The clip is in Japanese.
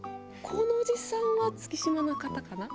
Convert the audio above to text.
このおじさんは月島の方かな？